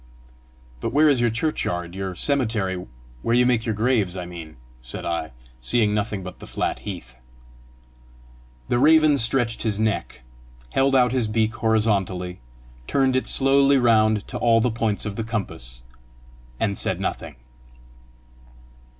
"But where is your churchyard your cemetery where you make your graves, I mean?" said I, seeing nothing but the flat heath. The raven stretched his neck, held out his beak horizontally, turned it slowly round to all the points of the compass, and said nothing.